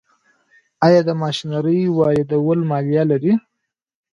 آیا د ماشینرۍ واردول مالیه لري؟